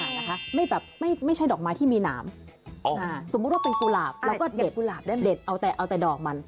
ใช่เลยค่ะไม่ใช่ดอกไม้ที่มีหนามสมมุติว่าเป็นกุหลาบแล้วก็เด็ดเอาแต่ดอกมัน